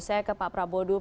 saya ke pak prabowo dulu